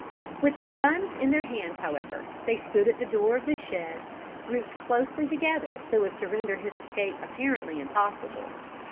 With their guns in their hands however, they stood at the door of the shed, grouped closely together so as to render his escape apparently impossible.